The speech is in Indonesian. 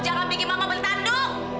jangan bikin mama bertanduk